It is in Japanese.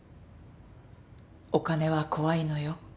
「お金は怖いのよ。